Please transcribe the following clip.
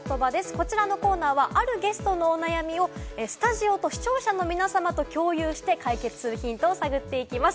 こちらのコーナーはあるゲストのお悩みをスタジオと視聴者の皆さまと共有して解決するヒントを探っていきます。